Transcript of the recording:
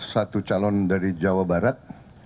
satu calon dari jawa barat